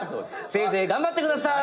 せいぜい頑張ってください！